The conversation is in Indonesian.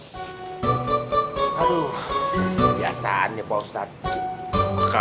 aduh kebiasaan nih pak ustadz